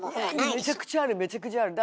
いやめちゃくちゃあるめちゃくちゃある。